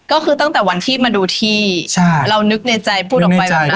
ก็คือตั้งแต่วันที่มาดูที่เรานึกในใจพูดออกไปแบบนั้น